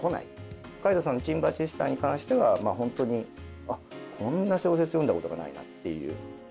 海堂さんの『チーム・バチスタ』に関してはホントにこんな小説読んだことがないなっていう。